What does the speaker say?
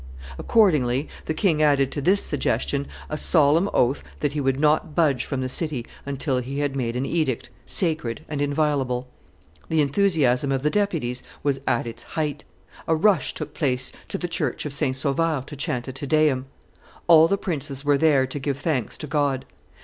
Accordingly the king added to this suggestion a solemn oath that he would not budge from the city until he had made an edict, sacred and inviolable. The enthusiasm of the deputies was at its height; a rush took place to the church of St. Sauveur to chant a Te Deum. All the princes were there to give thanks to God.